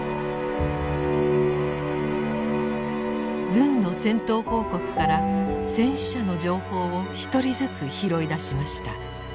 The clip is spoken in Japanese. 軍の戦闘報告から戦死者の情報を一人ずつ拾い出しました。